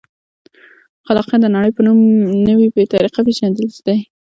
خلاقیت د نړۍ په نوې طریقه پېژندل دي.